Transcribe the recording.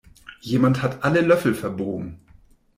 Jemand hat alle Löffel verbogen.